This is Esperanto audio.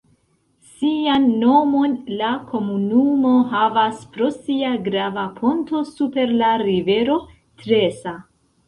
Sian nomon la komunumo havas pro sia grava ponto super la rivero Tresa.